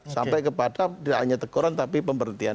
sampai kepada tidak hanya teguran tapi pemberhentian